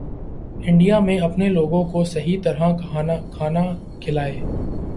India اپنے لوگوں کو صحیح طرح کھانا کھلائے